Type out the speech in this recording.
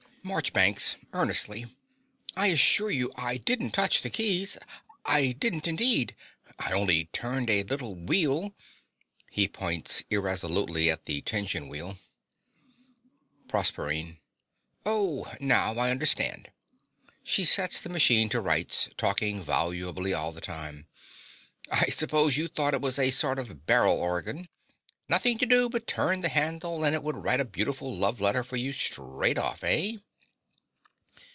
MARCHBANKS (earnestly). I assure you I didn't touch the keys. I didn't, indeed. I only turned a little wheel. (He points irresolutely at the tension wheel.) PROSERPINE. Oh, now I understand. (She sets the machine to rights, talking volubly all the time.) I suppose you thought it was a sort of barrel organ. Nothing to do but turn the handle, and it would write a beautiful love letter for you straight off, eh?